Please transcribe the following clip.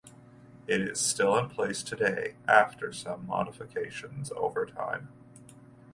It is still in place today after some modifications over time.